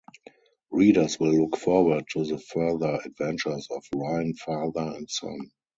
Readers will look forward to the further adventures of Ryan father and son.